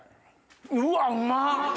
うわうまっ！